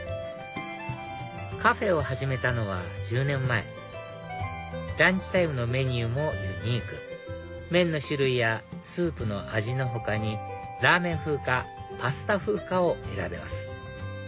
カフェを始めたのは１０年前ランチタイムのメニューもユニーク麺の種類やスープの味の他にラーメン風かパスタ風かを選べます